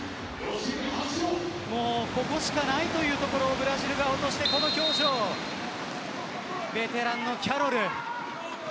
もうここしかないという所にブラジルが落としてこの表情、ベテランのキャロル。